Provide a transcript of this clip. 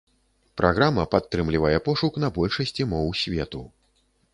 Праграма падтрымлівае пошук на большасці моў свету.